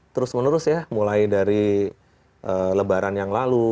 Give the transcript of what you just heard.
terus menerus ya mulai dari lebaran yang lalu